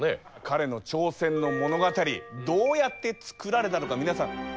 彼の挑戦の物語どうやって作られたのか皆さん気になりますよね？